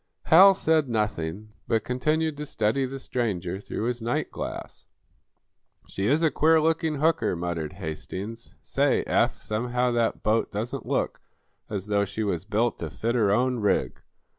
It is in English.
Hal said nothing, but continued to study the stranger through his night glass. "She is a queer looking hooker," muttered Hastings. "Say, Eph, somehow that boat doesn't look as though she was built to fit her own rig."